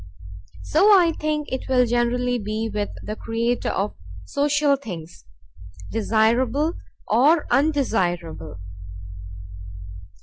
So I think it will generally be with the creator of social things, desirable or undesirable.